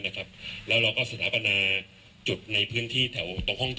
แล้วเราก็สถาปนาจุดในพื้นที่แถวตรงห้อง๗